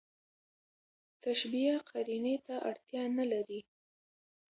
تشبېه قرينې ته اړتیا نه لري.